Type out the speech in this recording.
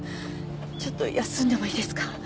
ちょっと休んでもいいですか？